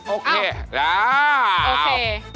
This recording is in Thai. โอเคแล้วอะโอเค